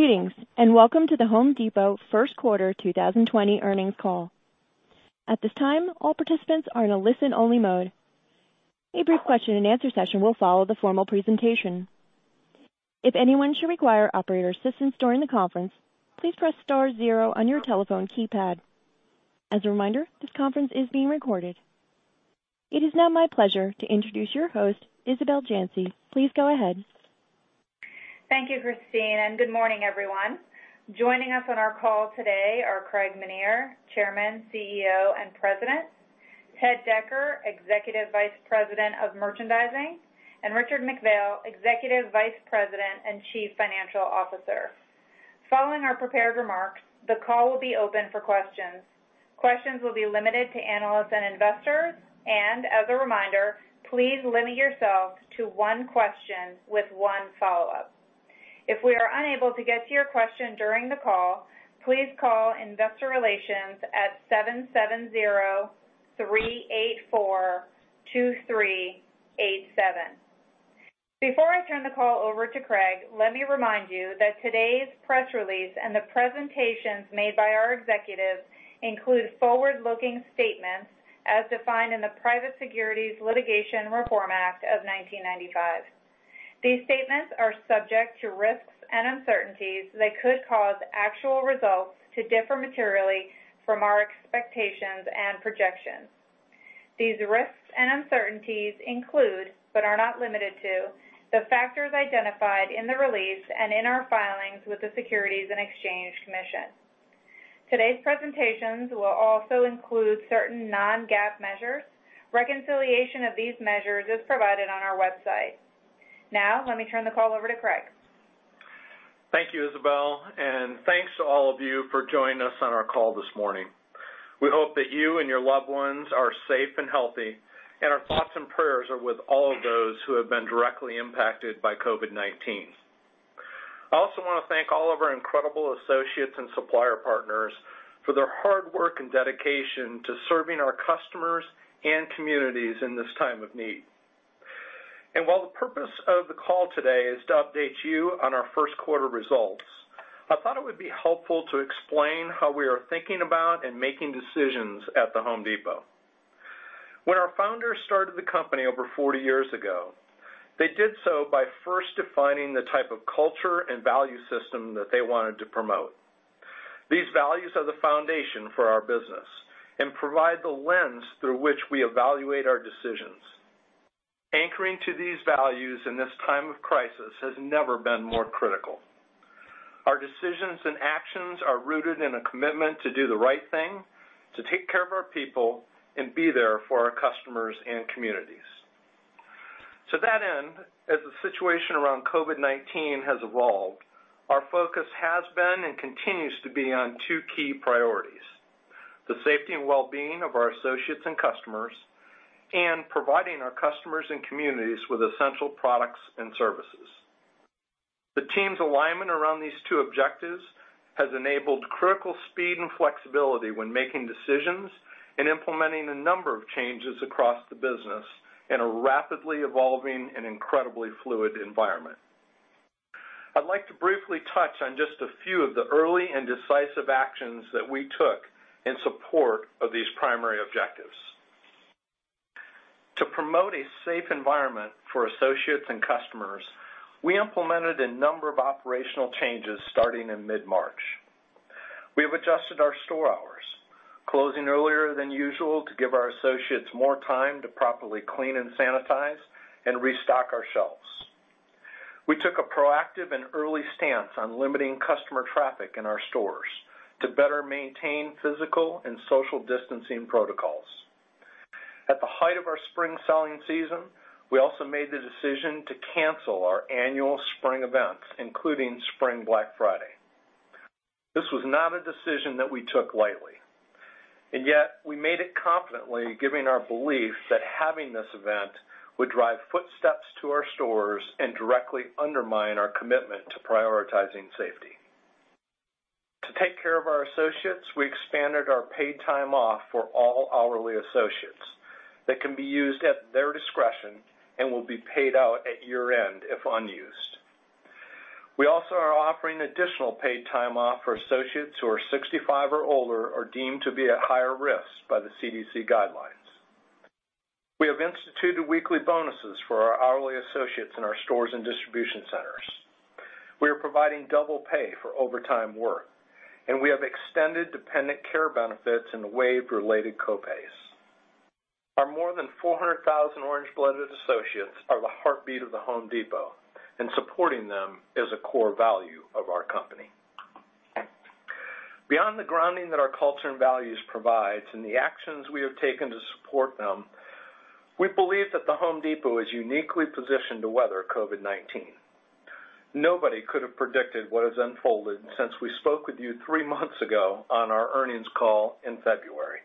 Greetings, welcome to The Home Depot first quarter 2020 earnings call. At this time, all participants are in a listen-only mode. A brief question and answer session will follow the formal presentation. If anyone should require operator assistance during the conference, please press star zero on your telephone keypad. As a reminder, this conference is being recorded. It is now my pleasure to introduce your host, Isabel Janci. Please go ahead. Thank you, Christine. Good morning, everyone. Joining us on our call today are Craig Menear, Chairman, CEO, and President, Ted Decker, Executive Vice President of Merchandising, and Richard McPhail, Executive Vice President and Chief Financial Officer. Following our prepared remarks, the call will be open for questions. Questions will be limited to analysts and investors. As a reminder, please limit yourselves to one question with one follow-up. If we are unable to get to your question during the call, please call investor relations at 770-384-2387. Before I turn the call over to Craig, let me remind you that today's press release and the presentations made by our executives include forward-looking statements as defined in the Private Securities Litigation Reform Act of 1995. These statements are subject to risks and uncertainties that could cause actual results to differ materially from our expectations and projections. These risks and uncertainties include, but are not limited to, the factors identified in the release and in our filings with the Securities and Exchange Commission. Today's presentations will also include certain non-GAAP measures. Reconciliation of these measures is provided on our website. Now, let me turn the call over to Craig. Thank you, Isabel, and thanks to all of you for joining us on our call this morning. We hope that you and your loved ones are safe and healthy, and our thoughts and prayers are with all of those who have been directly impacted by COVID-19. I also want to thank all of our incredible associates and supplier partners for their hard work and dedication to serving our customers and communities in this time of need. While the purpose of the call today is to update you on our first quarter results, I thought it would be helpful to explain how we are thinking about and making decisions at The Home Depot. When our founders started the company over 40 years ago, they did so by first defining the type of culture and value system that they wanted to promote. These values are the foundation for our business and provide the lens through which we evaluate our decisions. Anchoring to these values in this time of crisis has never been more critical. Our decisions and actions are rooted in a commitment to do the right thing, to take care of our people, and be there for our customers and communities. To that end, as the situation around COVID-19 has evolved, our focus has been and continues to be on two key priorities, the safety and wellbeing of our associates and customers, and providing our customers and communities with essential products and services. The team's alignment around these two objectives has enabled critical speed and flexibility when making decisions and implementing a number of changes across the business in a rapidly evolving and incredibly fluid environment. I'd like to briefly touch on just a few of the early and decisive actions that we took in support of these primary objectives. To promote a safe environment for associates and customers, we implemented a number of operational changes starting in mid-March. We have adjusted our store hours, closing earlier than usual to give our associates more time to properly clean and sanitize and restock our shelves. We took a proactive and early stance on limiting customer traffic in our stores to better maintain physical and social distancing protocols. At the height of our spring selling season, we also made the decision to cancel our annual spring events, including Spring Black Friday. This was not a decision that we took lightly, and yet we made it confidently given our belief that having this event would drive footsteps to our stores and directly undermine our commitment to prioritizing safety. To take care of our associates, we expanded our paid time off for all hourly associates that can be used at their discretion and will be paid out at year-end if unused. We also are offering additional paid time off for associates who are 65 or older or deemed to be at higher risk by the CDC guidelines. We have instituted weekly bonuses for our hourly associates in our stores and distribution centers. We are providing double pay for overtime work, and we have extended dependent care benefits and waived related co-pays. Our more than 400,000 orange-blooded associates are the heartbeat of The Home Depot, and supporting them is a core value of our company. Beyond the grounding that our culture and values provides and the actions we have taken to support them, we believe that The Home Depot is uniquely positioned to weather COVID-19. Nobody could have predicted what has unfolded since we spoke with you three months ago on our earnings call in February,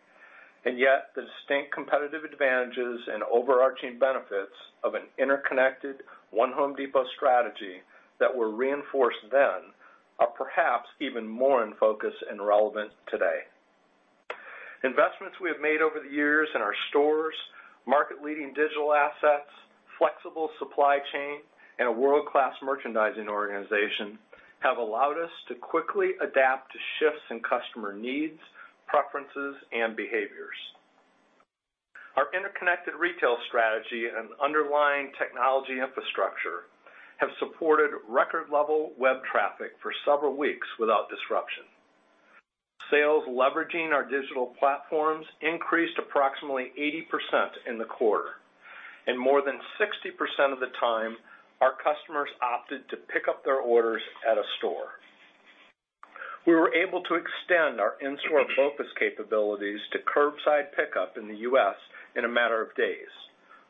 and yet the distinct competitive advantages and overarching benefits of an interconnected One Home Depot strategy that were reinforced then are perhaps even more in focus and relevant today. Investments we have made over the years in our stores, market-leading digital assets, flexible supply chain, and a world-class merchandising organization have allowed us to quickly adapt to shifts in customer needs, preferences, and behaviors. Our interconnected retail strategy and underlying technology infrastructure have supported record-level web traffic for several weeks without disruption. Sales leveraging our digital platforms increased approximately 80% in the quarter. More than 60% of the time, our customers opted to pick up their orders at a store. We were able to extend our in-store BOPUS capabilities to curbside pickup in the U.S. in a matter of days,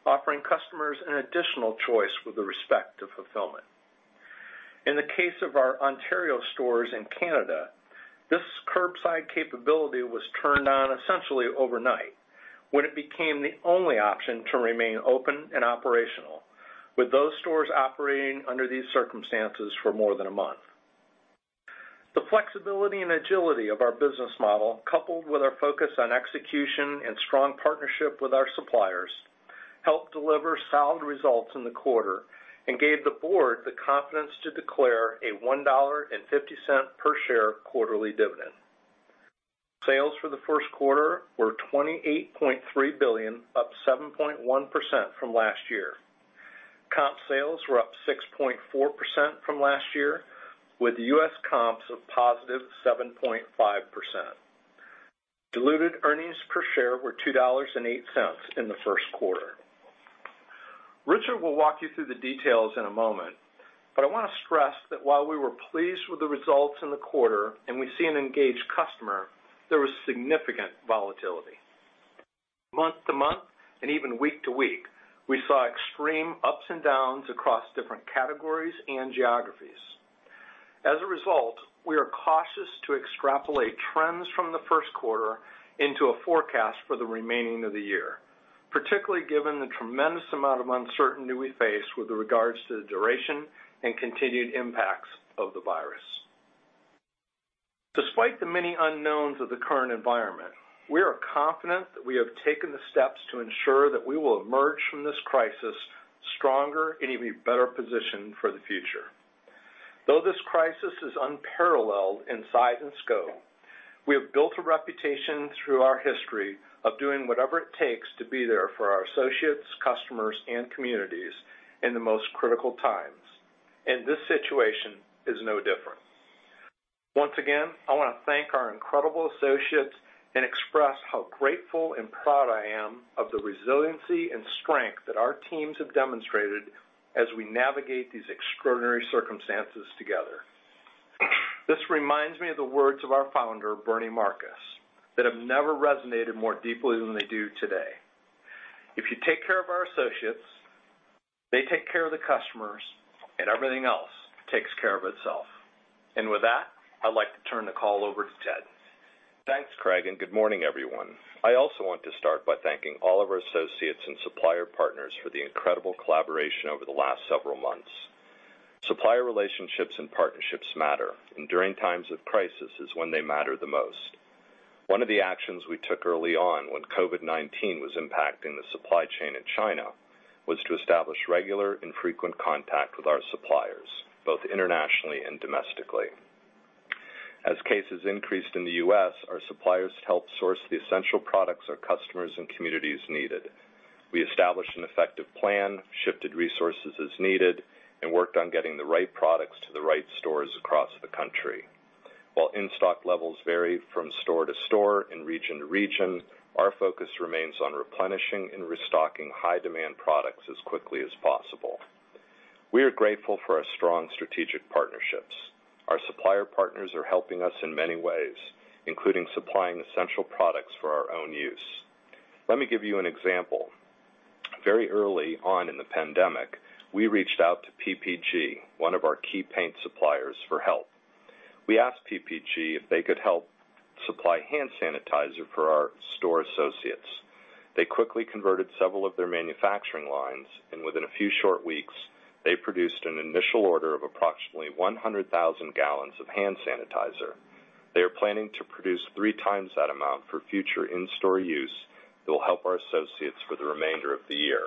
offering customers an additional choice with respect to fulfillment. In the case of our Ontario stores in Canada, this curbside capability was turned on essentially overnight when it became the only option to remain open and operational with those stores operating under these circumstances for more than a month. The flexibility and agility of our business model, coupled with our focus on execution and strong partnership with our suppliers, helped deliver solid results in the quarter and gave the board the confidence to declare a $1.50 per share quarterly dividend. Sales for the first quarter were $28.3 billion, up 7.1% from last year. Comp sales were up 6.4% from last year, with U.S. comps of positive 7.5%. Diluted earnings per share were $2.08 in the first quarter. Richard will walk you through the details in a moment, but I want to stress that while we were pleased with the results in the quarter and we see an engaged customer, there was significant volatility. Month to month and even week to week, we saw extreme ups and downs across different categories and geographies. As a result, we are cautious to extrapolate trends from the first quarter into a forecast for the remaining of the year, particularly given the tremendous amount of uncertainty we face with regards to the duration and continued impacts of the virus. Despite the many unknowns of the current environment, we are confident that we have taken the steps to ensure that we will emerge from this crisis stronger and even be better positioned for the future. Though this crisis is unparalleled in size and scope, we have built a reputation through our history of doing whatever it takes to be there for our associates, customers, and communities in the most critical times. This situation is no different. Once again, I want to thank our incredible associates and express how grateful and proud I am of the resiliency and strength that our teams have demonstrated as we navigate these extraordinary circumstances together. This reminds me of the words of our founder, Bernie Marcus, that have never resonated more deeply than they do today. If you take care of our associates, they take care of the customers, and everything else takes care of itself. With that, I'd like to turn the call over to Ted. Thanks, Craig, and good morning, everyone. I also want to start by thanking all of our associates and supplier partners for the incredible collaboration over the last several months. Supplier relationships and partnerships matter, and during times of crisis is when they matter the most. One of the actions we took early on when COVID-19 was impacting the supply chain in China was to establish regular and frequent contact with our suppliers, both internationally and domestically. As cases increased in the U.S., our suppliers helped source the essential products our customers and communities needed. We established an effective plan, shifted resources as needed, and worked on getting the right products to the right stores across the country. While in-stock levels vary from store to store and region to region, our focus remains on replenishing and restocking high-demand products as quickly as possible. We are grateful for our strong strategic partnerships. Our supplier partners are helping us in many ways, including supplying essential products for our own use. Let me give you an example. Very early on in the pandemic, we reached out to PPG, one of our key paint suppliers, for help. We asked PPG if they could help supply hand sanitizer for our store associates. They quickly converted several of their manufacturing lines, and within a few short weeks, they produced an initial order of approximately 100,000 gallons of hand sanitizer. They are planning to produce three times that amount for future in-store use that will help our associates for the remainder of the year.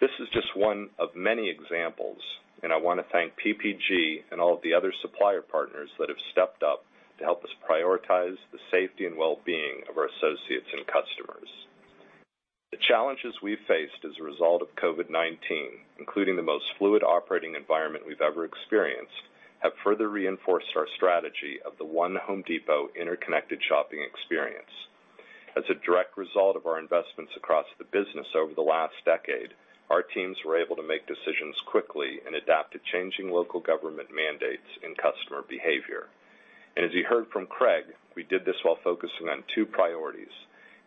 This is just one of many examples, and I want to thank PPG and all of the other supplier partners that have stepped up to help us prioritize the safety and wellbeing of our associates and customers. The challenges we've faced as a result of COVID-19, including the most fluid operating environment we've ever experienced, have further reinforced our strategy of the one Home Depot interconnected shopping experience. As a direct result of our investments across the business over the last decade, our teams were able to make decisions quickly and adapt to changing local government mandates and customer behavior. As you heard from Craig, we did this while focusing on two priorities,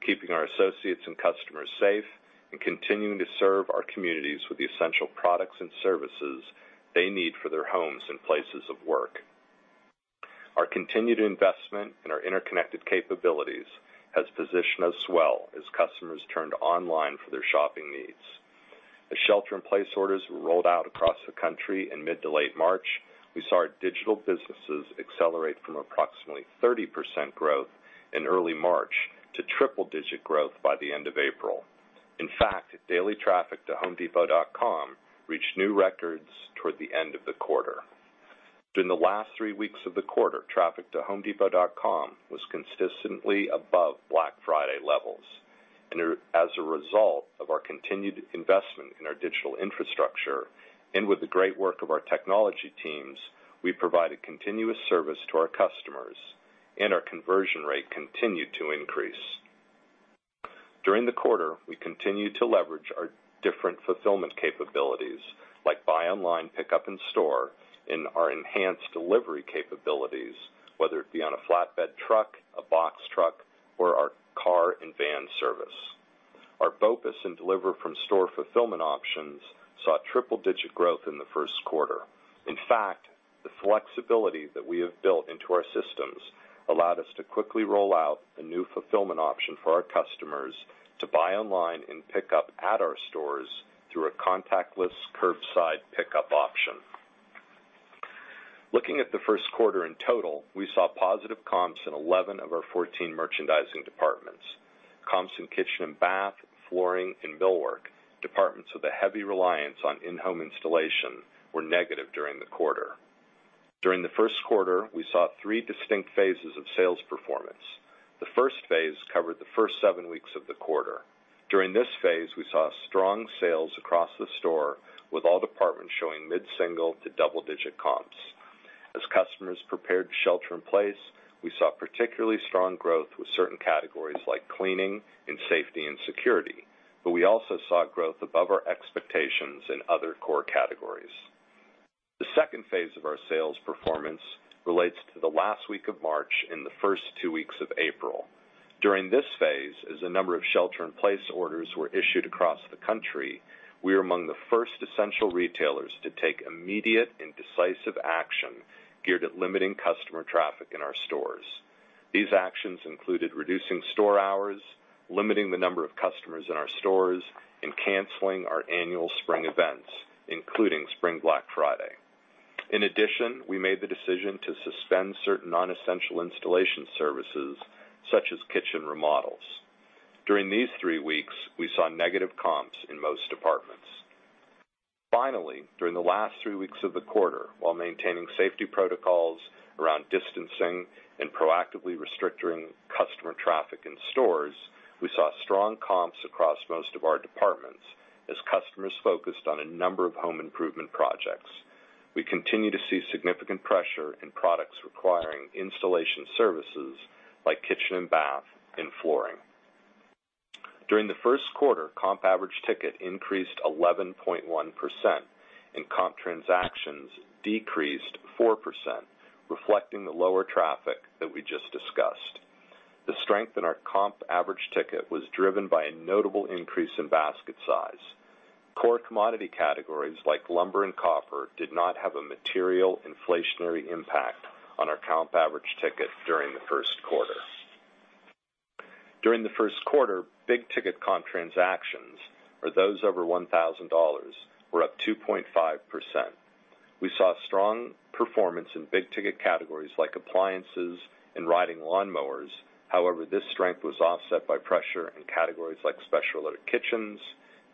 keeping our associates and customers safe, and continuing to serve our communities with the essential products and services they need for their homes and places of work. Our continued investment in our interconnected capabilities has positioned us well as customers turn to online for their shopping needs. As shelter-in-place orders were rolled out across the country in mid to late March, we saw our digital businesses accelerate from approximately 30% growth in early March to triple-digit growth by the end of April. In fact, daily traffic to homedepot.com reached new records toward the end of the quarter. During the last three weeks of the quarter, traffic to homedepot.com was consistently above Black Friday levels. As a result of our continued investment in our digital infrastructure, and with the great work of our technology teams, we provided continuous service to our customers, and our conversion rate continued to increase. During the quarter, we continued to leverage our different fulfillment capabilities, like buy online, pickup in store, and our enhanced delivery capabilities, whether it be on a flatbed truck, a box truck, or our car and van service. Our BOPUS and deliver from store fulfillment options saw triple-digit growth in the first quarter. In fact, the flexibility that we have built into our systems allowed us to quickly roll out a new fulfillment option for our customers to buy online and pick up at our stores through a contactless curbside pickup option. Looking at the first quarter in total, we saw positive comps in 11 of our 14 merchandising departments. Comps in kitchen and bath, flooring, and millwork, departments with a heavy reliance on in-home installation, were negative during the quarter. During the first quarter, we saw three distinct phases of sales performance. The first phase covered the first seven weeks of the quarter. During this phase, we saw strong sales across the store, with all departments showing mid-single to double-digit comps. As customers prepared to shelter in place, we saw particularly strong growth with certain categories like cleaning and safety and security, but we also saw growth above our expectations in other core categories. The second phase of our sales performance relates to the last week of March and the first two weeks of April. During this phase, as a number of shelter-in-place orders were issued across the country, we were among the first essential retailers to take immediate and decisive action geared at limiting customer traffic in our stores. These actions included reducing store hours, limiting the number of customers in our stores, and canceling our annual spring events, including Spring Black Friday. In addition, we made the decision to suspend certain non-essential installation services, such as kitchen remodels. During these three weeks, we saw negative comps in most departments. Finally, during the last three weeks of the quarter, while maintaining safety protocols around distancing and proactively restricting customer traffic in stores, we saw strong comps across most of our departments as customers focused on a number of home improvement projects. We continue to see significant pressure in products requiring installation services like kitchen and bath and flooring. During the first quarter, comp average ticket increased 11.1% and comp transactions decreased 4%, reflecting the lower traffic that we just discussed. The strength in our comp average ticket was driven by a notable increase in basket size. Core commodity categories like lumber and copper did not have a material inflationary impact on our comp average ticket during the first quarter. During the first quarter, big ticket comp transactions, or those over $1,000, were up 2.5%. We saw strong performance in big ticket categories like appliances and riding lawnmowers. However, this strength was offset by pressure in categories like special ordered kitchens,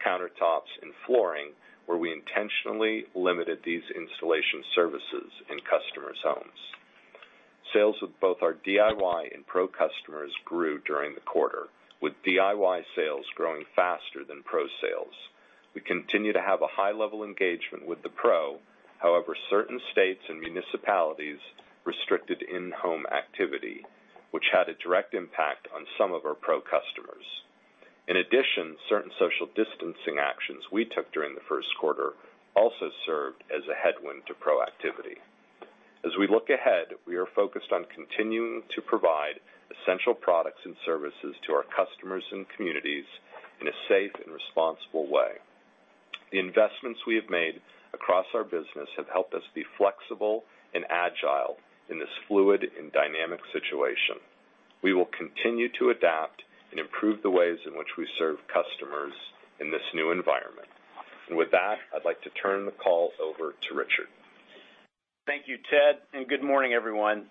countertops, and flooring, where we intentionally limited these installation services in customers' homes. Sales with both our DIY and pro customers grew during the quarter, with DIY sales growing faster than pro sales. We continue to have a high level engagement with the pro. However, certain states and municipalities restricted in-home activity, which had a direct impact on some of our pro customers. In addition, certain social distancing actions we took during the first quarter also served as a headwind to pro activity. As we look ahead, we are focused on continuing to provide essential products and services to our customers and communities in a safe and responsible way. The investments we have made across our business have helped us be flexible and agile in this fluid and dynamic situation. We will continue to adapt and improve the ways in which we serve customers in this new environment. With that, I'd like to turn the call over to Richard. Thank you, Ted, and good morning, everyone.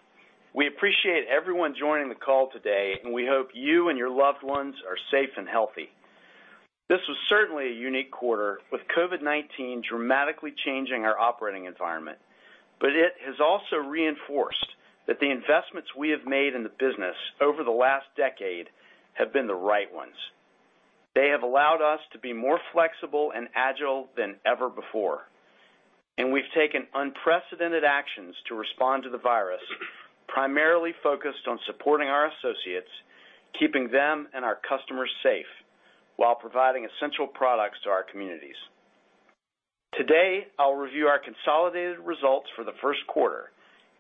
We appreciate everyone joining the call today, and we hope you and your loved ones are safe and healthy. This was certainly a unique quarter, with COVID-19 dramatically changing our operating environment, but it has also reinforced that the investments we have made in the business over the last decade have been the right ones. They have allowed us to be more flexible and agile than ever before, and we've taken unprecedented actions to respond to the virus, primarily focused on supporting our associates, keeping them and our customers safe while providing essential products to our communities. Today, I'll review our consolidated results for the first quarter,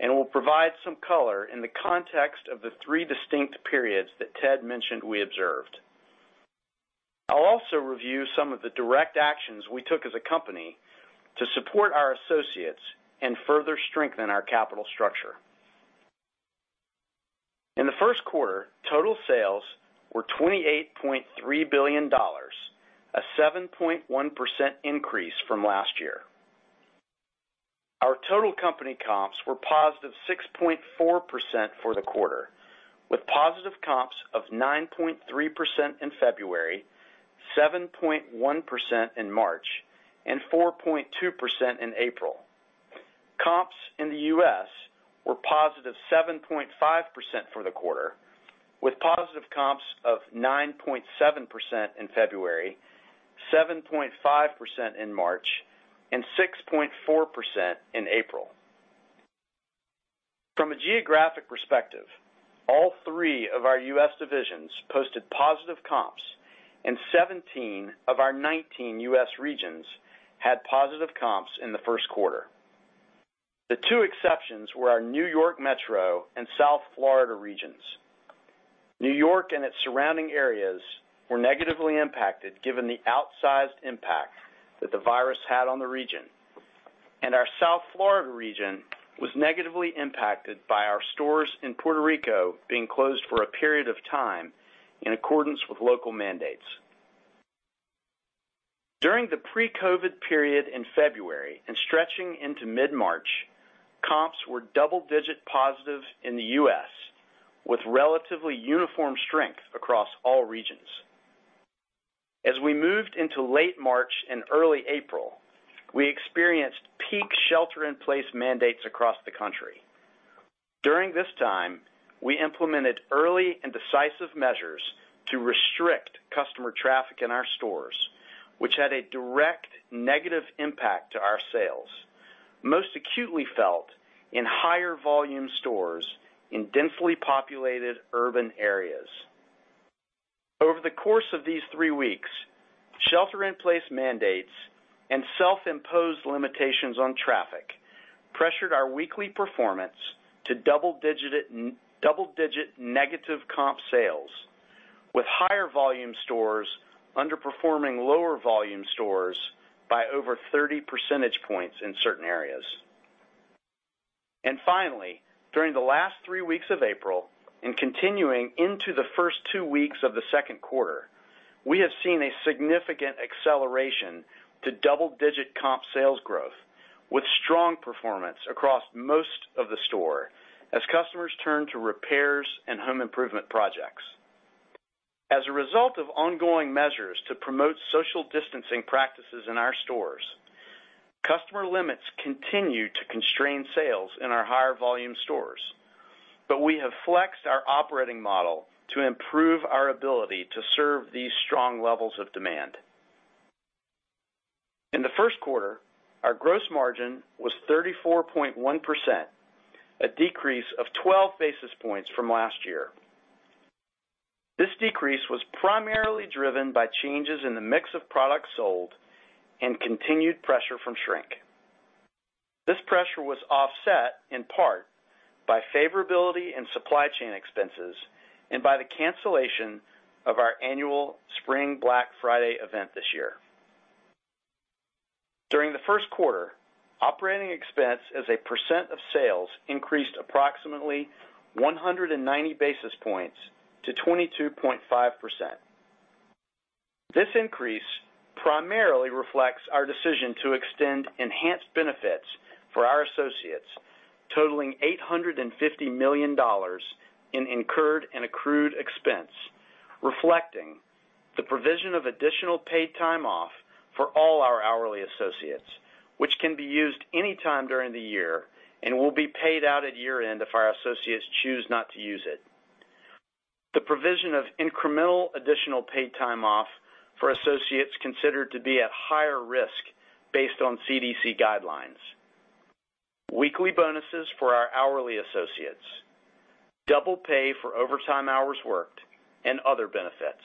and will provide some color in the context of the three distinct periods that Ted mentioned we observed. I'll also review some of the direct actions we took as a company to support our associates and further strengthen our capital structure. In the first quarter, total sales were $28.3 billion, a 7.1% increase from last year. Our total company comps were positive 6.4% for the quarter, with positive comps of 9.3% in February, 7.1% in March, and 4.2% in April. Comps in the U.S. were positive 7.5% for the quarter, with positive comps of 9.7% in February, 7.5% in March, and 6.4% in April. From a geographic perspective, all three of our U.S. divisions posted positive comps, and 17 of our 19 U.S. regions had positive comps in the first quarter. The two exceptions were our New York Metro and South Florida regions. New York and its surrounding areas were negatively impacted, given the outsized impact that the virus had on the region. Our South Florida region was negatively impacted by our stores in Puerto Rico being closed for a period of time, in accordance with local mandates. During the pre-COVID-19 period in February and stretching into mid-March, comps were double-digit positive in the U.S., with relatively uniform strength across all regions. As we moved into late March and early April, we experienced peak shelter-in-place mandates across the country. During this time, we implemented early and decisive measures to restrict customer traffic in our stores, which had a direct negative impact to our sales, most acutely felt in higher volume stores in densely populated urban areas. Over the course of these three weeks, shelter-in-place mandates and self-imposed limitations on traffic pressured our weekly performance to double-digit negative comp sales, with higher volume stores underperforming lower volume stores by over 30 percentage points in certain areas. Finally, during the last three weeks of April, and continuing into the first two weeks of the second quarter, we have seen a significant acceleration to double-digit comp sales growth, with strong performance across most of the store as customers turn to repairs and home improvement projects. As a result of ongoing measures to promote social distancing practices in our stores, customer limits continue to constrain sales in our higher volume stores, but we have flexed our operating model to improve our ability to serve these strong levels of demand. In the first quarter, our gross margin was 34.1%, a decrease of 12 basis points from last year. This decrease was primarily driven by changes in the mix of products sold and continued pressure from shrink. This pressure was offset in part by favorability in supply chain expenses and by the cancellation of our annual Spring Black Friday event this year. During the first quarter, operating expense as a % of sales increased approximately 190 basis points to 22.5%. This increase primarily reflects our decision to extend enhanced benefits for our associates, totaling $850 million in incurred and accrued expense, reflecting the provision of additional paid time off for all our hourly associates, which can be used any time during the year and will be paid out at year-end if our associates choose not to use it. The provision of incremental additional paid time off for associates considered to be at higher risk based on CDC guidelines. Weekly bonuses for our hourly associates. Double pay for overtime hours worked and other benefits.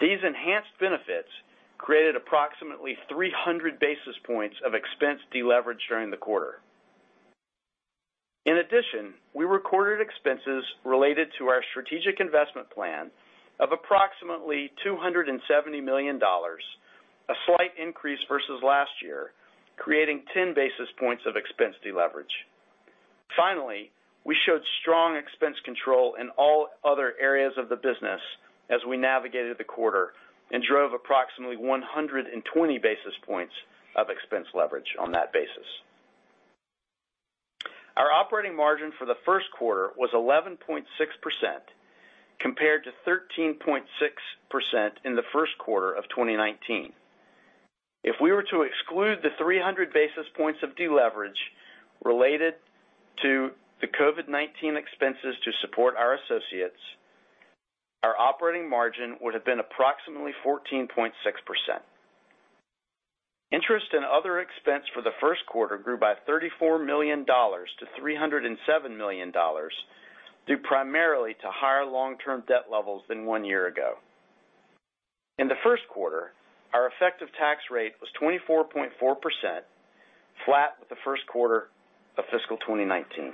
These enhanced benefits created approximately 300 basis points of expense deleverage during the quarter. We recorded expenses related to our strategic investment plan of approximately $270 million, a slight increase versus last year, creating 10 basis points of expense deleverage. We showed strong expense control in all other areas of the business as we navigated the quarter and drove approximately 120 basis points of expense leverage on that basis. Our operating margin for the first quarter was 11.6%, compared to 13.6% in the first quarter of 2019. If we were to exclude the 300 basis points of deleverage related to the COVID-19 expenses to support our associates, our operating margin would have been approximately 14.6%. Interest and other expense for the first quarter grew by $34 million to $307 million, due primarily to higher long-term debt levels than one year ago. In the first quarter, our effective tax rate was 24.4%, flat with the first quarter of fiscal 2019.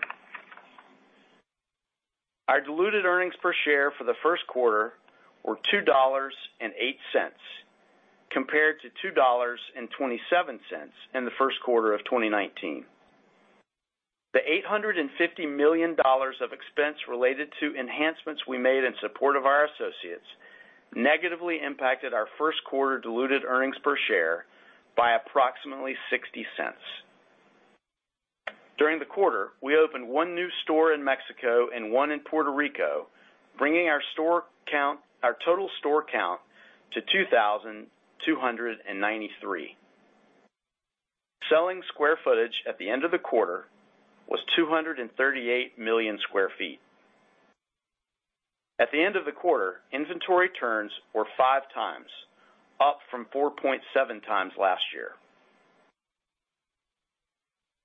Our diluted earnings per share for the first quarter were $2.08 compared to $2.27 in the first quarter of 2019. The $850 million of expense related to enhancements we made in support of our associates negatively impacted our first quarter diluted earnings per share by approximately $0.60. During the quarter, we opened one new store in Mexico and one in Puerto Rico, bringing our total store count to 2,293. Selling square footage at the end of the quarter was 238 million sq ft. At the end of the quarter, inventory turns were five times, up from 4.7 times last year.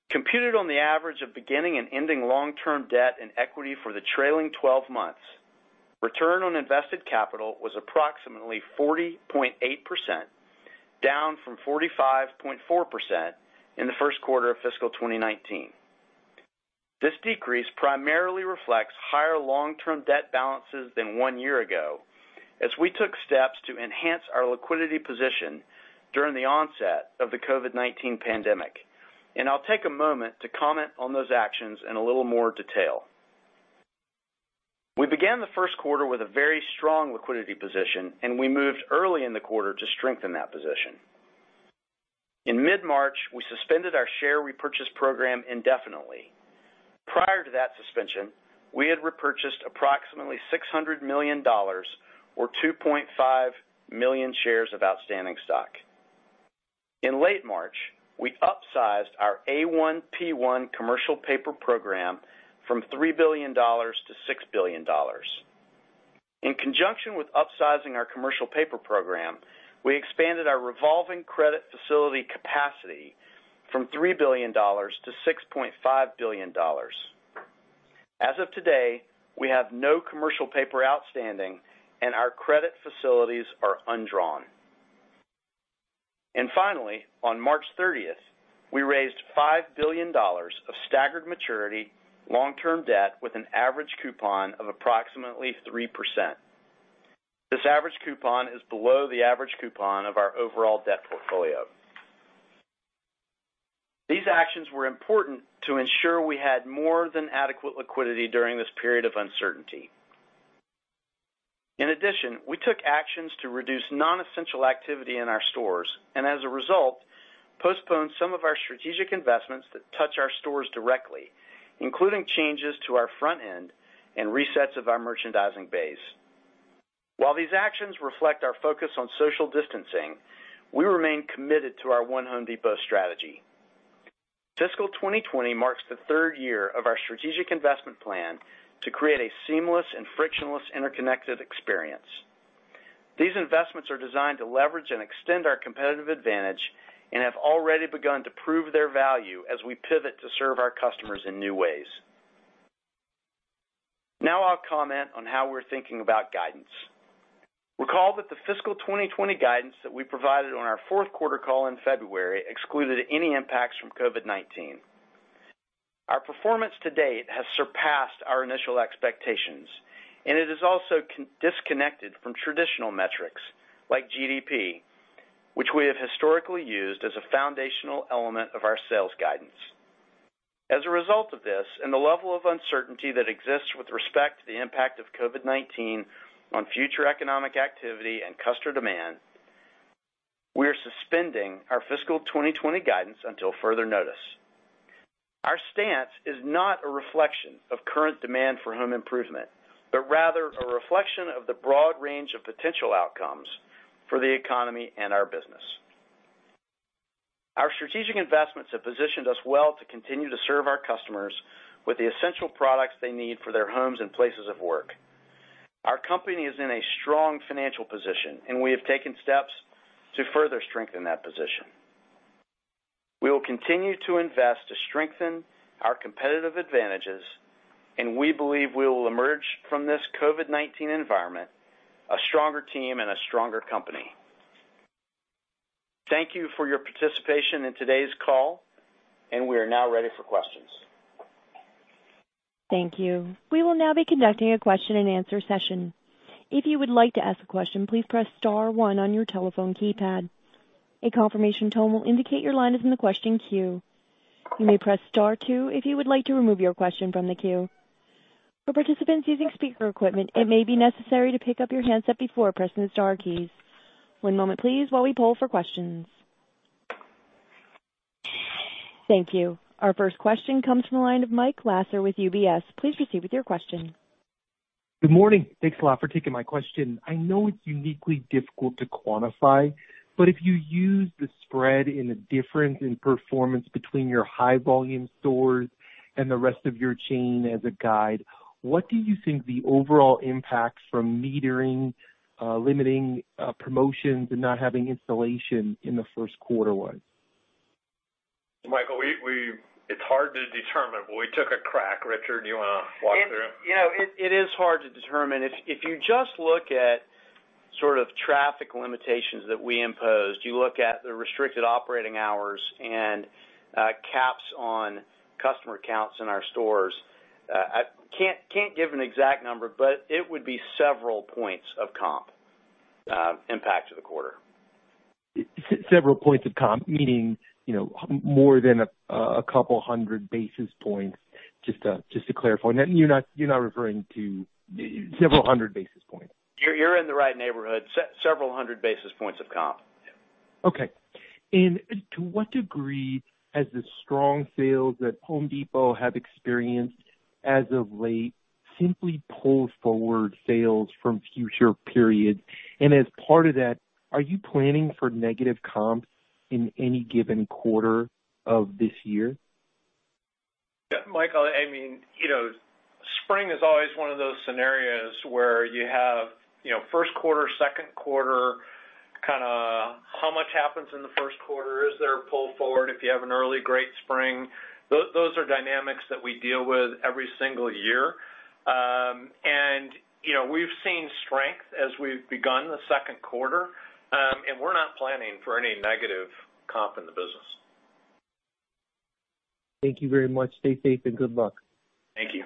Computed on the average of beginning and ending long-term debt and equity for the trailing 12 months, return on invested capital was approximately 40.8%, down from 45.4% in the first quarter of fiscal 2019. This decrease primarily reflects higher long-term debt balances than one year ago, as we took steps to enhance our liquidity position during the onset of the COVID-19 pandemic. I'll take a moment to comment on those actions in a little more detail. We began the first quarter with a very strong liquidity position, we moved early in the quarter to strengthen that position. In mid-March, we suspended our share repurchase program indefinitely. Prior to that suspension, we had repurchased approximately $600 million or 2.5 million shares of outstanding stock. In late March, we upsized our A-1/P-1 commercial paper program from $3 billion to $6 billion. In conjunction with upsizing our commercial paper program, we expanded our revolving credit facility capacity from $3 billion to $6.5 billion. As of today, we have no commercial paper outstanding, our credit facilities are undrawn. Finally, on March 30th, we raised $5 billion of staggered maturity long-term debt with an average coupon of approximately 3%. This average coupon is below the average coupon of our overall debt portfolio. These actions were important to ensure we had more than adequate liquidity during this period of uncertainty. In addition, we took actions to reduce non-essential activity in our stores and as a result, postponed some of our strategic investments that touch our stores directly, including changes to our front end and resets of our merchandising bays. While these actions reflect our focus on social distancing, we remain committed to our One Home Depot strategy. Fiscal 2020 marks the third year of our strategic investment plan to create a seamless and frictionless interconnected experience. These investments are designed to leverage and extend our competitive advantage and have already begun to prove their value as we pivot to serve our customers in new ways. Now I'll comment on how we're thinking about guidance. Recall that the fiscal 2020 guidance that we provided on our fourth quarter call in February excluded any impacts from COVID-19. Our performance to date has surpassed our initial expectations, and it is also disconnected from traditional metrics like GDP, which we have historically used as a foundational element of our sales guidance. As a result of this, and the level of uncertainty that exists with respect to the impact of COVID-19 on future economic activity and customer demand, we are suspending our fiscal 2020 guidance until further notice. Our stance is not a reflection of current demand for home improvement, but rather a reflection of the broad range of potential outcomes for the economy and our business. Our strategic investments have positioned us well to continue to serve our customers with the essential products they need for their homes and places of work. Our company is in a strong financial position, and we have taken steps to further strengthen that position. We will continue to invest to strengthen our competitive advantages, and we believe we will emerge from this COVID-19 environment a stronger team and a stronger company. Thank you for your participation in today's call, and we are now ready for questions. Thank you. We will now be conducting a question and answer session. If you would like to ask a question, please press *1 on your telephone keypad. A confirmation tone will indicate your line is in the question queue. You may press *2 if you would like to remove your question from the queue. For participants using speaker equipment, it may be necessary to pick up your handset before pressing the star keys. One moment please, while we poll for questions. Thank you. Our first question comes from the line of Michael Lasser with UBS. Please proceed with your question. Good morning. Thanks a lot for taking my question. I know it's uniquely difficult to quantify, but if you use the spread in the difference in performance between your high volume stores and the rest of your chain as a guide, what do you think the overall impacts from metering, limiting promotions, and not having installation in the first quarter was? Michael, it's hard to determine, we took a crack. Richard, do you want to walk through? It is hard to determine. You just look at sort of traffic limitations that we imposed, you look at the restricted operating hours and caps on customer counts in our stores. I can't give an exact number, but it would be several points of comp impact to the quarter. Several points of comp, meaning more than a couple 100 basis points? Just to clarify. You're not referring to several 100 basis points. You're in the right neighborhood, several hundred basis points of comp. Okay. To what degree has the strong sales that The Home Depot have experienced as of late simply pulled forward sales from future periods? As part of that, are you planning for negative comps in any given quarter of this year? Yeah, Michael, spring is always one of those scenarios where you have first quarter, second quarter, kind of how much happens in the first quarter. Is there a pull forward if you have an early great spring? Those are dynamics that we deal with every single year. We've seen strength as we've begun the second quarter. We're not planning for any negative comp in the business. Thank you very much. Stay safe and good luck. Thank you.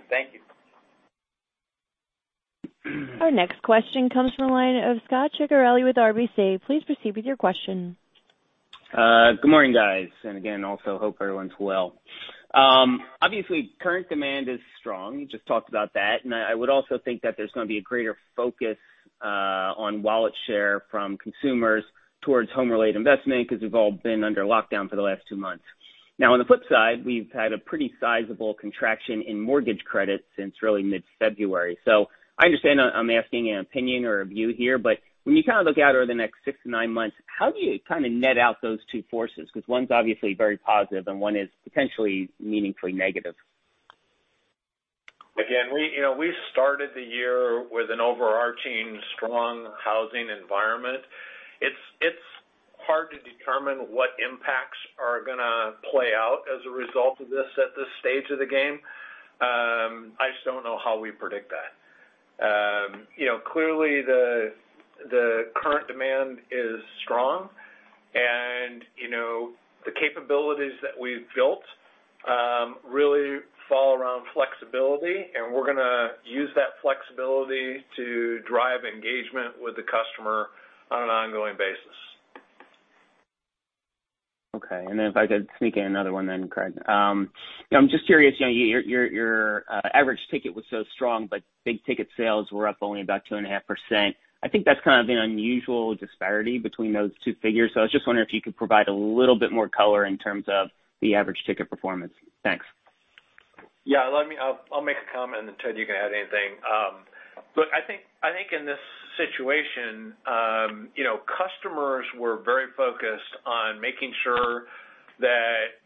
Our next question comes from the line of Scot Ciccarelli with RBC. Please proceed with your question. Good morning, guys. Again, also hope everyone's well. Obviously, current demand is strong. You just talked about that. I would also think that there's going to be a greater focus on wallet share from consumers towards home-related investment, because we've all been under lockdown for the last two months. Now on the flip side, we've had a pretty sizable contraction in mortgage credits since early mid-February. I understand I'm asking an opinion or a view here, but when you kind of look out over the next six to nine months, how do you kind of net out those two forces? One's obviously very positive and one is potentially meaningfully negative. We started the year with an overarching strong housing environment. It's hard to determine what impacts are going to play out as a result of this at this stage of the game. I just don't know how we predict that. Clearly, the current demand is strong, and the capabilities that we've built really fall around flexibility, and we're going to use that flexibility to drive engagement with the customer on an ongoing basis. Okay. If I could sneak in another one then, Craig. I'm just curious, your average ticket was so strong, but big-ticket sales were up only about 2.5%. I think that's kind of an unusual disparity between those two figures. I was just wondering if you could provide a little bit more color in terms of the average ticket performance. Thanks. Yeah, I'll make a comment, and Ted, you can add anything. Look, I think in this situation, customers were very focused on making sure that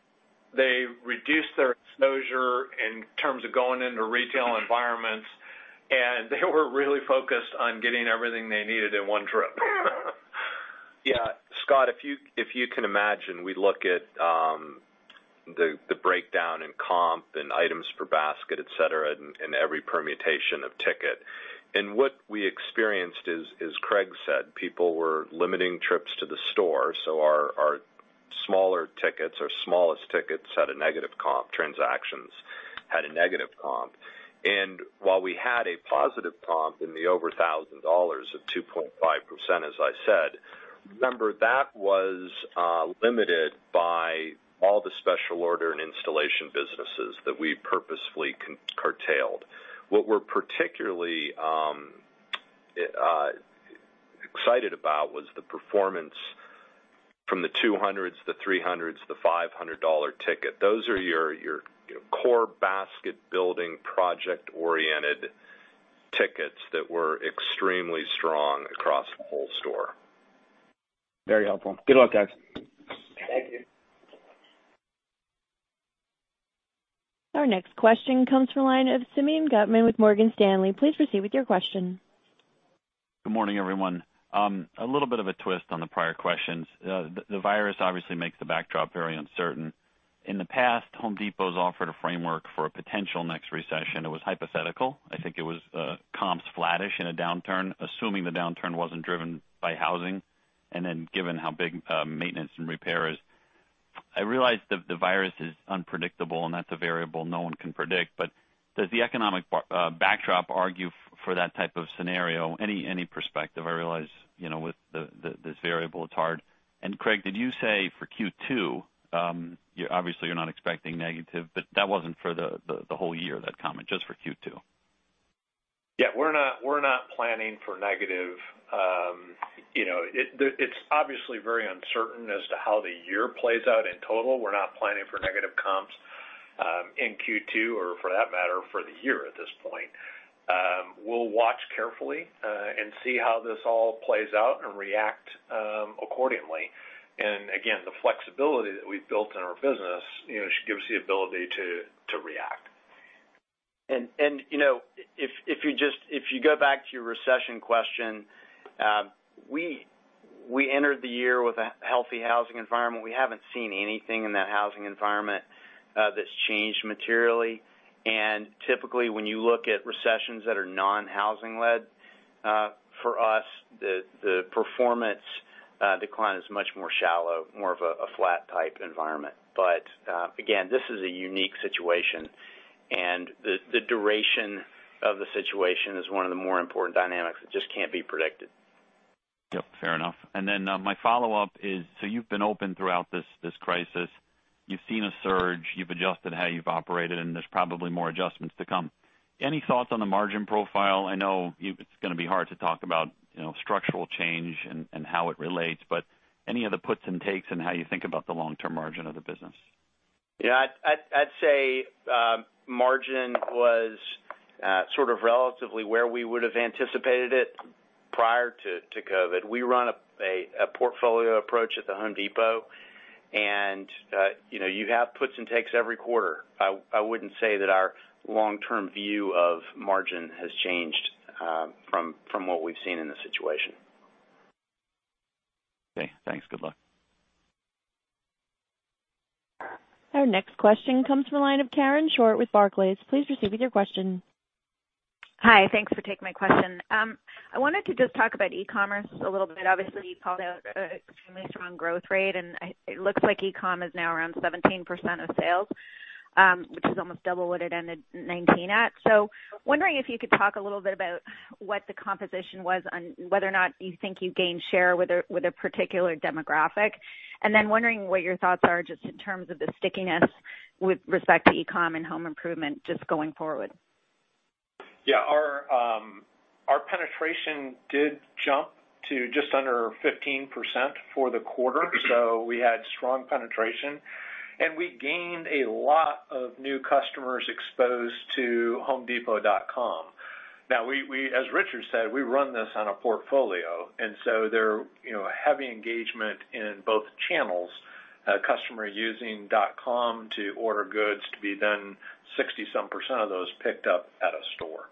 they reduced their exposure in terms of going into retail environments, and they were really focused on getting everything they needed in one trip. Yeah. Scot, if you can imagine, we look at the breakdown in comp and items per basket, et cetera, every permutation of ticket. What we experienced is, as Craig said, people were limiting trips to the store, our smaller tickets, our smallest tickets had a negative comp, transactions had a negative comp. While we had a positive comp in the over $1,000 of 2.5%, as I said, remember, that was limited by all the special order and installation businesses that we purposefully curtailed. What we're particularly excited about was the performance from the 200s, the 300s, the $500 ticket. Those are your core basket-building, project-oriented tickets that were extremely strong across the whole store. Very helpful. Good luck, guys. Thank you. Our next question comes from the line of Simeon Gutman with Morgan Stanley. Please proceed with your question. Good morning, everyone. A little bit of a twist on the prior questions. The virus obviously makes the backdrop very uncertain. In the past, The Home Depot's offered a framework for a potential next recession. It was hypothetical. I think it was comps flattish in a downturn, assuming the downturn wasn't driven by housing, and then given how big maintenance and repair is. I realize that the virus is unpredictable, and that's a variable no one can predict. Does the economic backdrop argue for that type of scenario? Any perspective? I realize, with this variable, it's hard. Craig, did you say for Q2, obviously you're not expecting negative, but that wasn't for the whole year, that comment, just for Q2? Yeah, we're not planning for negative. It's obviously very uncertain as to how the year plays out in total. We're not planning for negative comps in Q2, or for that matter, for the year at this point. We'll watch carefully and see how this all plays out and react accordingly. Again, the flexibility that we've built in our business gives the ability to react. If you go back to your recession question, we entered the year with a healthy housing environment. We haven't seen anything in that housing environment that's changed materially. Typically, when you look at recessions that are non-housing led, for us, the performance decline is much more shallow, more of a flat type environment. Again, this is a unique situation, and the duration of the situation is one of the more important dynamics that just can't be predicted. Yep, fair enough. My follow-up is, you've been open throughout this crisis. You've seen a surge, you've adjusted how you've operated, and there's probably more adjustments to come. Any thoughts on the margin profile? I know it's going to be hard to talk about structural change and how it relates, but any other puts and takes in how you think about the long-term margin of the business? Yeah. I'd say margin was sort of relatively where we would have anticipated it prior to COVID. We run a portfolio approach at The Home Depot, and you have puts and takes every quarter. I wouldn't say that our long-term view of margin has changed from what we've seen in this situation. Okay, thanks. Good luck. Our next question comes from the line of Karen Short with Barclays. Please proceed with your question. Hi. Thanks for taking my question. I wanted to just talk about e-commerce a little bit. Obviously, you called out extremely strong growth rate, and it looks like e-com is now around 17% of sales, which is almost double what it ended 2019 at. Wondering if you could talk a little bit about what the composition was on whether or not you think you gained share with a particular demographic, then wondering what your thoughts are just in terms of the stickiness with respect to e-com and home improvement just going forward. Our penetration did jump to just under 15% for the quarter, so we had strong penetration, and we gained a lot of new customers exposed to homedepot.com. As Richard said, we run this on a portfolio, and so they're a heavy engagement in both channels. A customer using .com to order goods to be then 60-some% of those picked up at a store.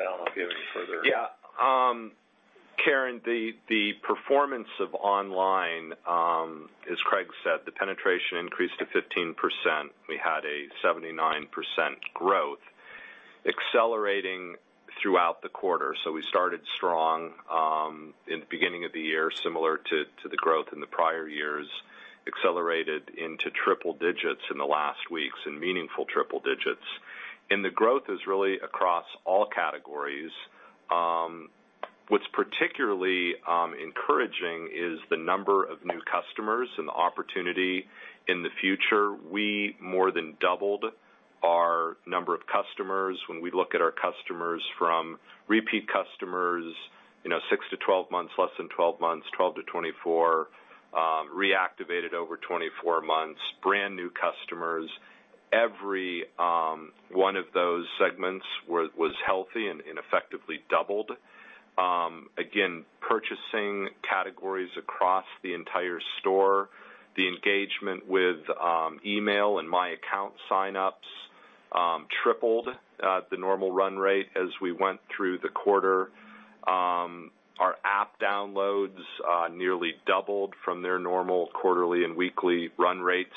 I don't know if you have any further- Karen, the performance of online, as Craig said, the penetration increased to 15%. We had a 79% growth accelerating throughout the quarter. We started strong in the beginning of the year, similar to the growth in the prior years, accelerated into triple digits in the last weeks, and meaningful triple digits. The growth is really across all categories. What's particularly encouraging is the number of new customers and the opportunity in the future. We more than doubled our number of customers. When we look at our customers from repeat customers six to 12 months, less than 12 months, 12 to 24, reactivated over 24 months, brand-new customers, every one of those segments was healthy and effectively doubled. Again, purchasing categories across the entire store. The engagement with email and my account sign-ups tripled the normal run rate as we went through the quarter. Our app downloads nearly doubled from their normal quarterly and weekly run rate.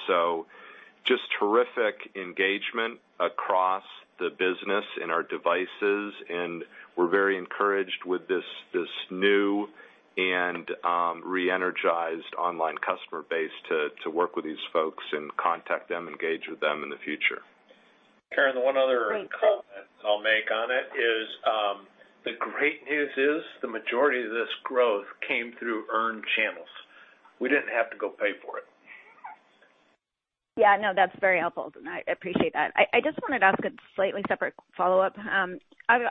Just terrific engagement across the business in our devices, and we're very encouraged with this new and re-energized online customer base to work with these folks and contact them, engage with them in the future. Karen, the one other comment I'll make on it is, the great news is the majority of this growth came through earned channels. We didn't have to go pay for it. Yeah, no, that's very helpful, and I appreciate that. I just wanted to ask a slightly separate follow-up.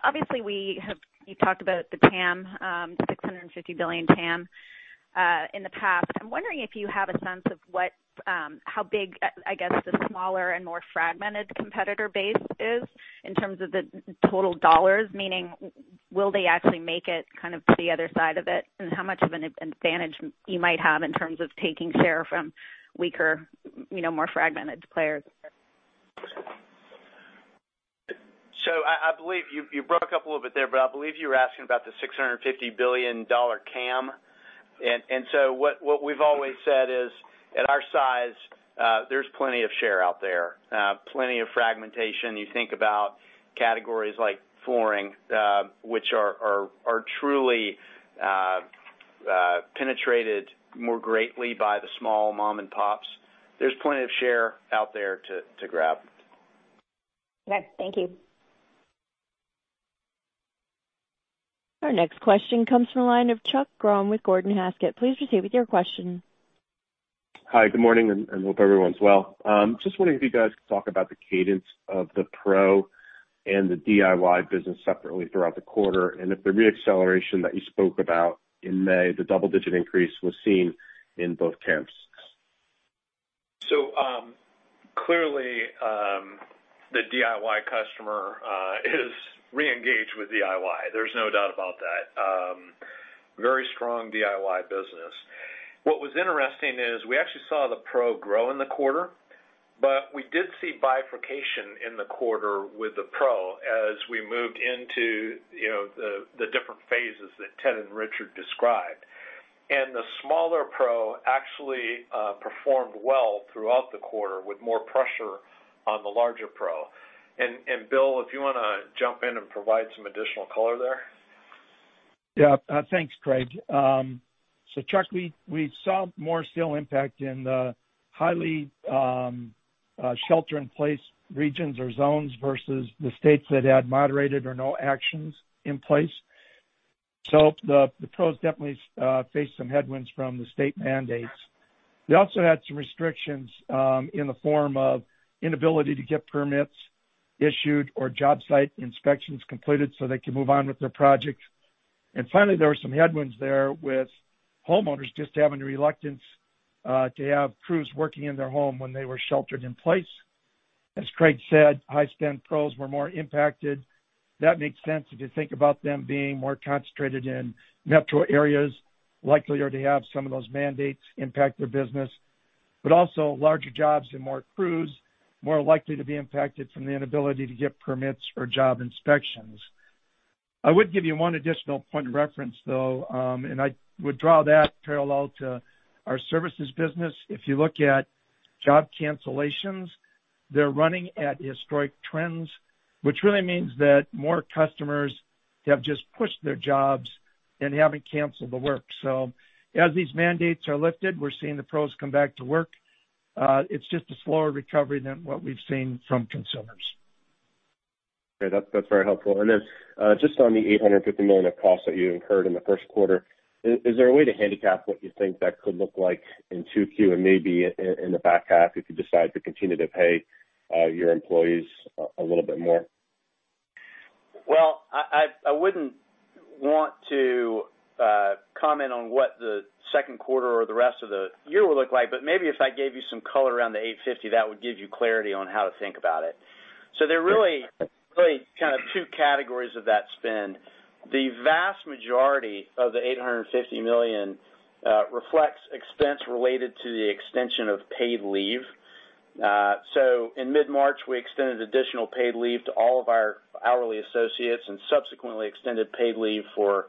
Obviously, you talked about the TAM, the $650 billion TAM in the past. I'm wondering if you have a sense of how big, I guess, the smaller and more fragmented competitor base is in terms of the total U.S. dollars. Meaning, will they actually make it kind of to the other side of it? How much of an advantage you might have in terms of taking share from weaker, more fragmented players? I believe you broke up a little bit there, but I believe you were asking about the $650 billion TAM. What we've always said is, at our size, there's plenty of share out there, plenty of fragmentation. You think about categories like flooring, which are truly penetrated more greatly by the small mom and pops. There's plenty of share out there to grab. Okay. Thank you. Our next question comes from the line of Chuck Grom with Gordon Haskett. Please proceed with your question. Hi, good morning, and hope everyone's well. Just wondering if you guys could talk about the cadence of the pro and the DIY business separately throughout the quarter, and if the re-acceleration that you spoke about in May, the double-digit increase was seen in both camps. Clearly, the DIY customer is reengaged with DIY. There's no doubt about that. Very strong DIY business. What was interesting is we actually saw the pro grow in the quarter, but we did see bifurcation in the quarter with the pro as we moved into the different phases that Ted and Richard described. The smaller pro actually performed well throughout the quarter, with more pressure on the larger pro. Bill, if you want to jump in and provide some additional color there? Yeah. Thanks, Craig. Chuck, we saw more COVID-19 impact in the highly shelter-in-place regions or zones versus the states that had moderated or no actions in place. The Pros definitely faced some headwinds from the state mandates. They also had some restrictions in the form of inability to get permits issued or job site inspections completed so they could move on with their project. Finally, there were some headwinds there with homeowners just having a reluctance to have crews working in their home when they were sheltered in place. As Craig said, high-spend Pros were more impacted. That makes sense if you think about them being more concentrated in metro areas, likelier to have some of those mandates impact their business, but also larger jobs and more crews, more likely to be impacted from the inability to get permits or job inspections. I would give you one additional point of reference, though, and I would draw that parallel to our services business. If you look at job cancellations, they're running at historic trends, which really means that more customers have just pushed their jobs and haven't canceled the work. As these mandates are lifted, we're seeing the Pros come back to work. It's just a slower recovery than what we've seen from consumers. Okay. That's very helpful. Then just on the $850 million of costs that you incurred in the first quarter, is there a way to handicap what you think that could look like in 2Q and maybe in the back half if you decide to continue to pay your employees a little bit more? I wouldn't want to comment on what the second quarter or the rest of the year will look like, but maybe if I gave you some color around the $850, that would give you clarity on how to think about it. There are really kind of two categories of that spend. The vast majority of the $850 million reflects expense related to the extension of paid leave. In mid-March, we extended additional paid leave to all of our hourly associates and subsequently extended paid leave for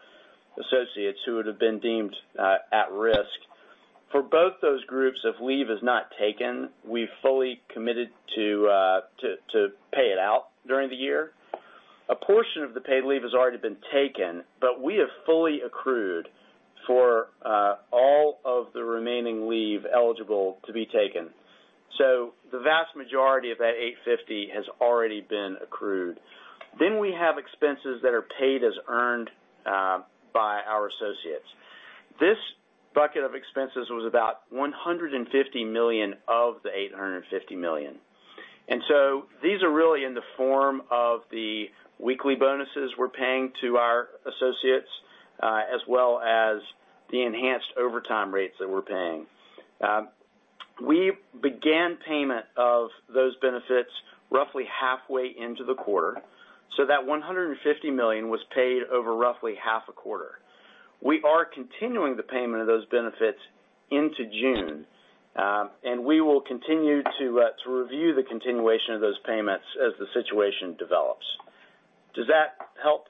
associates who would have been deemed at risk. For both those groups, if leave is not taken, we've fully committed to pay it out during the year. A portion of the paid leave has already been taken, but we have fully accrued for all of the remaining leave eligible to be taken. The vast majority of that $850 million has already been accrued. We have expenses that are paid as earned by our associates. This bucket of expenses was about $150 million of the $850 million. These are really in the form of the weekly bonuses we're paying to our associates, as well as the enhanced overtime rates that we're paying. We began payment of those benefits roughly halfway into the quarter, so that $150 million was paid over roughly half a quarter. We are continuing the payment of those benefits into June. We will continue to review the continuation of those payments as the situation develops. Does that help?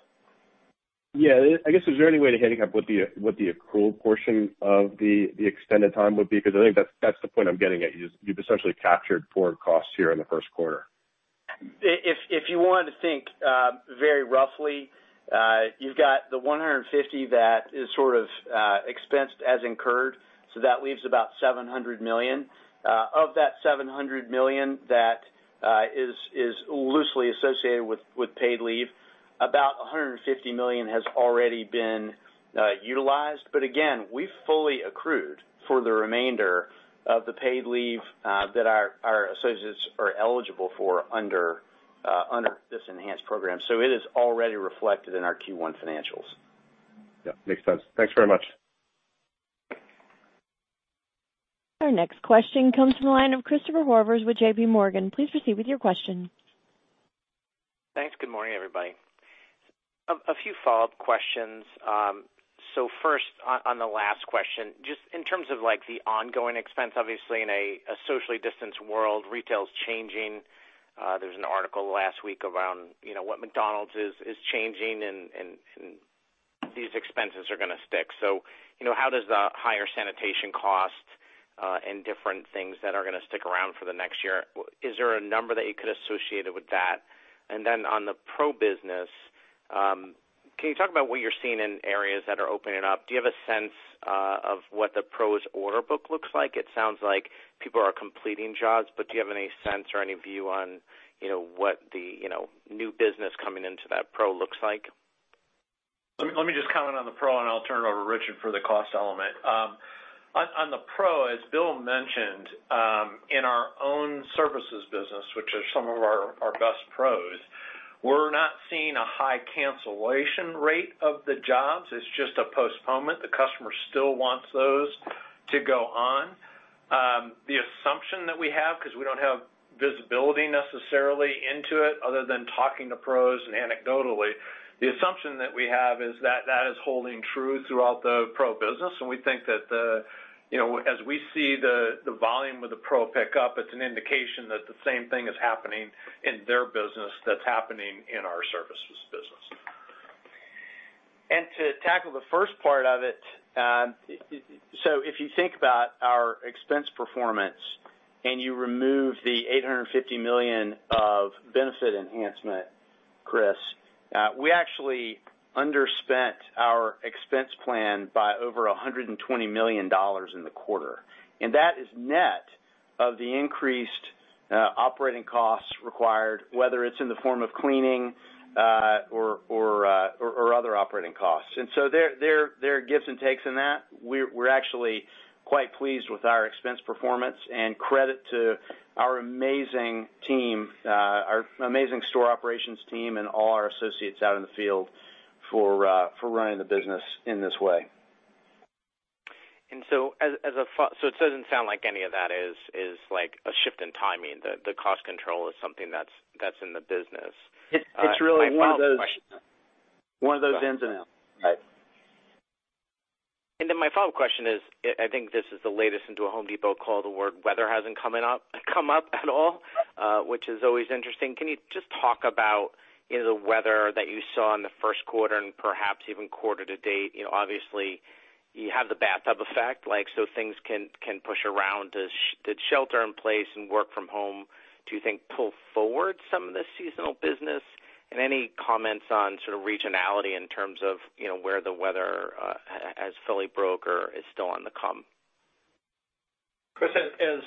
Yeah. I guess, is there any way to handicap what the accrued portion of the extended time would be? I think that's the point I'm getting at, is you've essentially captured forward costs here in the first quarter. If you wanted to think very roughly, you've got the 150 that is sort of expensed as incurred, so that leaves about $700 million. Of that $700 million that is loosely associated with paid leave, about $150 million has already been utilized. Again, we've fully accrued for the remainder of the paid leave that our associates are eligible for under this enhanced program. It is already reflected in our Q1 financials. Yeah. Makes sense. Thanks very much. Our next question comes from the line of Christopher Horvers with JPMorgan. Please proceed with your question. Thanks. Good morning, everybody. A few follow-up questions. First, on the last question, just in terms of the ongoing expense, obviously, in a socially distanced world, retail's changing. There was an article last week around what McDonald's is changing, and these expenses are going to stick. How does the higher sanitation cost and different things that are going to stick around for the next year, is there a number that you could associate with that? Then on the Pro business, can you talk about what you're seeing in areas that are opening up? Do you have a sense of what the Pro's order book looks like? It sounds like people are completing jobs, but do you have any sense or any view on what the new business coming into that Pro looks like? Let me just comment on the Pro, and I'll turn it over to Richard for the cost element. On the Pro, as Bill mentioned, in our own services business, which are some of our best Pros, we're not seeing a high cancellation rate of the jobs. It's just a postponement. The customer still wants those to go on. The assumption that we have, because we don't have visibility necessarily into it other than talking to Pros and anecdotally, the assumption that we have is that that is holding true throughout the Pro business, and we think that as we see the volume of the Pro pick up, it's an indication that the same thing is happening in their business that's happening in our services business. To tackle the first part of it, if you think about our expense performance and you remove the $850 million of benefit enhancement, Chris, we actually underspent our expense plan by over $120 million in the quarter. That is net of the increased operating costs required, whether it's in the form of cleaning or other operating costs. There are gives and takes in that. We're actually quite pleased with our expense performance, and credit to our amazing store operations team and all our associates out in the field for running the business in this way. It doesn't sound like any of that is a shift in timing, the cost control is something that's in the business. It's really one of those. My follow-up question then. One of those ins and outs. Right. My follow-up question is, I think this is the latest into a Home Depot call, the word weather hasn't come up at all, which is always interesting. Can you just talk about the weather that you saw in the first quarter and perhaps even quarter-to-date? Obviously you have the bathtub effect, things can push around. Did shelter in place and work from home, do you think, pull forward some of the seasonal business? Any comments on sort of regionality in terms of where the weather has fully broke or is still on the come? Chris, as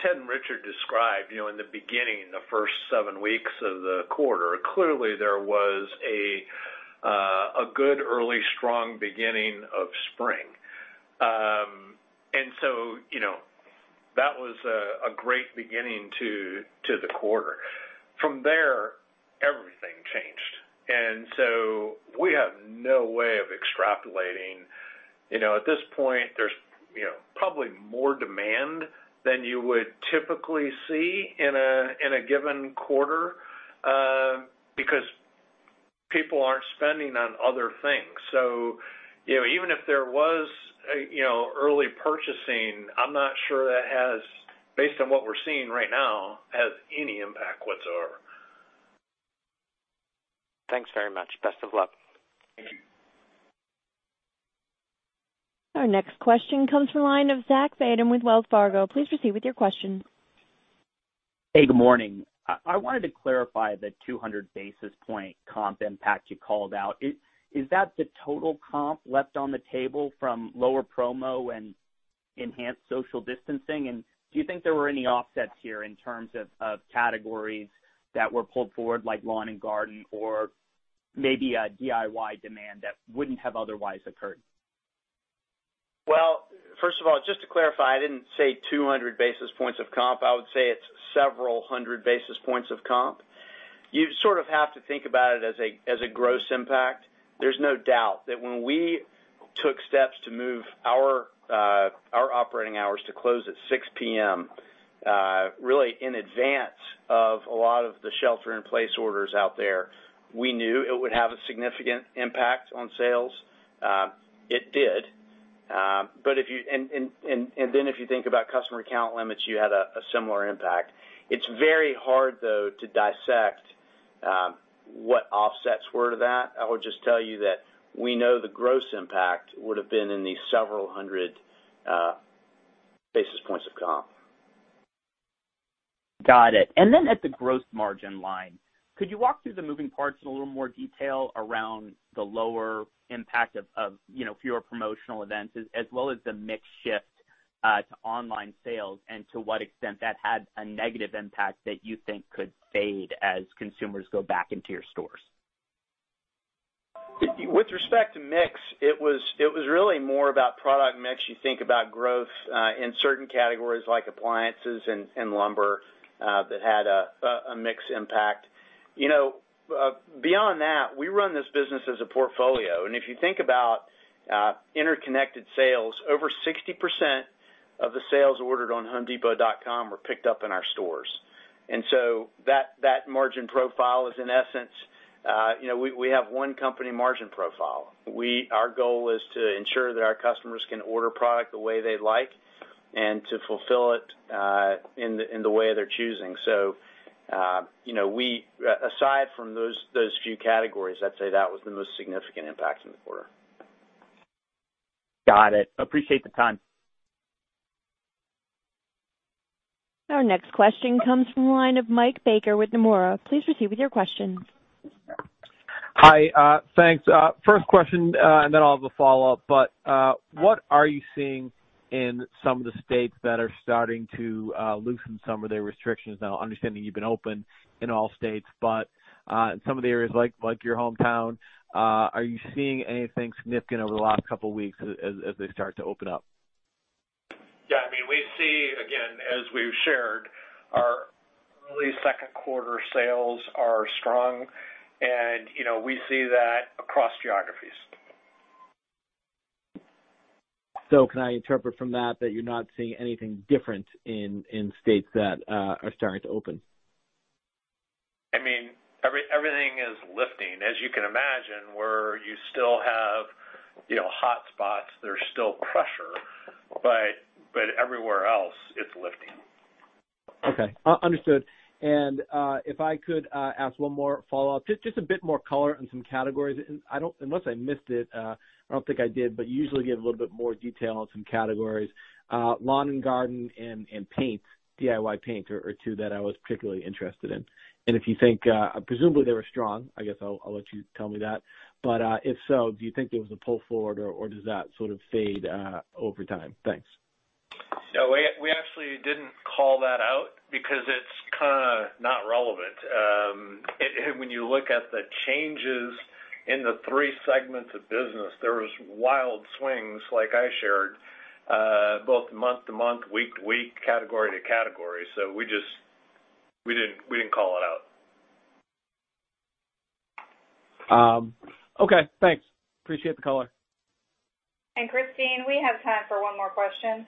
Ted and Richard described, in the beginning, the first seven weeks of the quarter, clearly there was a good early, strong beginning of spring. That was a great beginning to the quarter. From there, everything changed. We have no way of extrapolating. At this point, there's probably more demand than you would typically see in a given quarter, because people aren't spending on other things. Even if there was early purchasing, I'm not sure that has, based on what we're seeing right now, has any impact whatsoever. Thanks very much. Best of luck. Thank you. Our next question comes from the line of Zachary Fadem with Wells Fargo. Please proceed with your question. Hey, good morning. I wanted to clarify the 200 basis point comp impact you called out. Is that the total comp left on the table from lower promo and enhanced social distancing? Do you think there were any offsets here in terms of categories that were pulled forward, like lawn and garden or maybe a DIY demand that wouldn't have otherwise occurred? Well, first of all, just to clarify, I didn't say 200 basis points of comp. I would say it's several hundred basis points of comp. You sort of have to think about it as a gross impact. There's no doubt that when we took steps to move our operating hours to close at 6:00 P.M., really in advance of a lot of the shelter in place orders out there, we knew it would have a significant impact on sales. It did. If you think about customer account limits, you had a similar impact. It's very hard, though, to dissect what offsets were to that. I would just tell you that we know the gross impact would've been in the several hundred basis points of comp. Got it. Then at the gross margin line, could you walk through the moving parts in a little more detail around the lower impact of fewer promotional events as well as the mix shift to online sales, and to what extent that had a negative impact that you think could fade as consumers go back into your stores? With respect to mix, it was really more about product mix. You think about growth in certain categories like appliances and lumber that had a mix impact. Beyond that, we run this business as a portfolio, and if you think about interconnected sales, over 60% of the sales ordered on homedepot.com were picked up in our stores. That margin profile is in essence, we have one company margin profile. Our goal is to ensure that our customers can order product the way they like and to fulfill it in the way they're choosing. Aside from those few categories, I'd say that was the most significant impact in the quarter. Got it. Appreciate the time. Our next question comes from the line of Mike Baker with Nomura. Please proceed with your question. Hi. Thanks. First question, then I'll have a follow-up. What are you seeing in some of the states that are starting to loosen some of their restrictions? Now, understanding you've been open in all states, but in some of the areas like your hometown, are you seeing anything significant over the last couple of weeks as they start to open up? Yeah. We see, again, as we've shared, our early second quarter sales are strong and we see that across geographies. Can I interpret from that you're not seeing anything different in states that are starting to open? Everything is lifting. As you can imagine, where you still have hotspots, there's still pressure, but everywhere else, it's lifting. Okay. Understood. If I could ask one more follow-up, just a bit more color on some categories. Unless I missed it, I don't think I did, but you usually give a little bit more detail on some categories. Lawn and garden and DIY paint are two that I was particularly interested in. Presumably, they were strong. I guess I'll let you tell me that. If so, do you think there was a pull forward, or does that sort of fade over time? Thanks. We actually didn't call that out because it's kind of not relevant. When you look at the changes in the three segments of business, there was wild swings, like I shared, both month-to-month, week-to-week, category to category. We didn't call it out. Okay, thanks. Appreciate the color. Christine, we have time for one more question.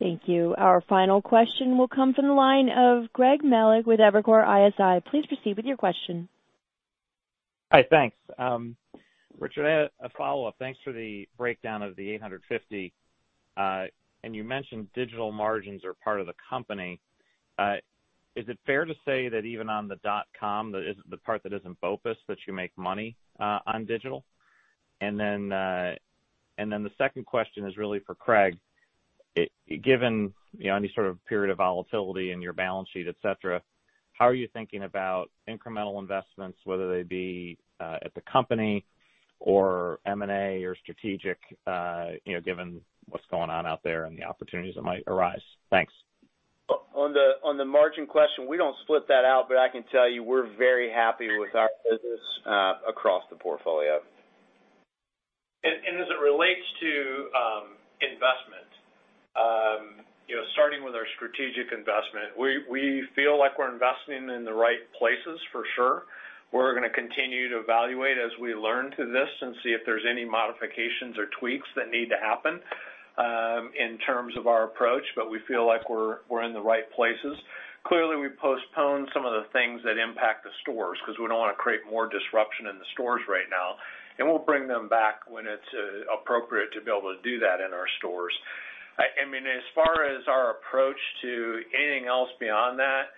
Thank you. Our final question will come from the line of Greg Melich with Evercore ISI. Please proceed with your question. Hi, thanks. Richard, I had a follow-up. Thanks for the breakdown of the 850. You mentioned digital margins are part of the company. Is it fair to say that even on the dotcom, the part that isn't BOPUS, that you make money on digital? The second question is really for Craig. Given any sort of period of volatility in your balance sheet, et cetera, how are you thinking about incremental investments, whether they be at the company or M&A or strategic, given what's going on out there and the opportunities that might arise? Thanks. On the margin question, we don't split that out, but I can tell you we're very happy with our business across the portfolio. As it relates to investment, starting with our strategic investment, we feel like we're investing in the right places for sure. We're going to continue to evaluate as we learn through this and see if there's any modifications or tweaks that need to happen in terms of our approach, but we feel like we're in the right places. Clearly, we postponed some of the things that impact the stores because we don't want to create more disruption in the stores right now. We'll bring them back when it's appropriate to be able to do that in our stores. As far as our approach to anything else beyond that,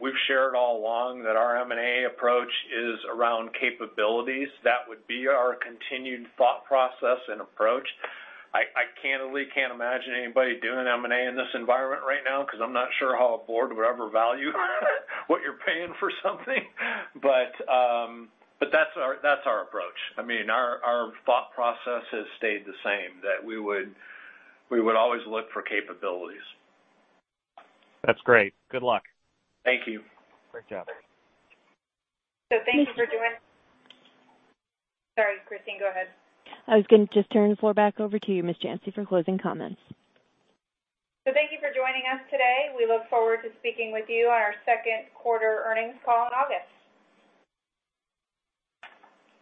we've shared all along that our M&A approach is around capabilities. That would be our continued thought process and approach. I candidly can't imagine anybody doing M&A in this environment right now because I'm not sure how a board would ever value what you're paying for something. That's our approach. Our thought process has stayed the same, that we would always look for capabilities. That's great. Good luck. Thank you. Great job. Sorry, Christine, go ahead. I was going to just turn the floor back over to you, Ms. Janci, for closing comments. Thank you for joining us today. We look forward to speaking with you on our second quarter earnings call in August.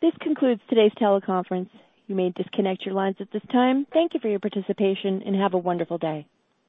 This concludes today's teleconference. You may disconnect your lines at this time. Thank you for your participation, and have a wonderful day.